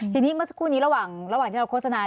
ทีนี้เมื่อสักครู่นี้ระหว่างที่เราโฆษณา